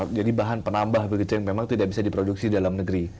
menjadi bahan penambah begitu yang memang tidak bisa diproduksi dalam negeri